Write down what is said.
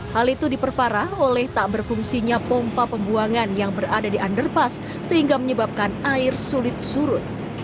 hal itu diperparah oleh tak berfungsinya pompa pembuangan yang berada di underpass sehingga menyebabkan air sulit surut